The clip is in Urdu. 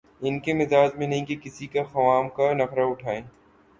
ان کے مزاج میں نہیں کہ کسی کا خواہ مخواہ نخرہ اٹھائیں۔